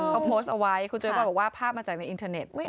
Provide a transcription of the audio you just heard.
เขาโพสต์เอาไว้คุณเจ๊บอยบอกว่าภาพมาจากในอินเทอร์เน็ต